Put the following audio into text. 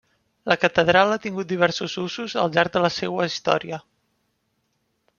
La catedral ha tingut diversos usos al llarg de la seua història.